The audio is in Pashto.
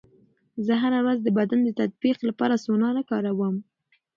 زه هره ورځ د بدن د تطبیق لپاره سونا نه کاروم.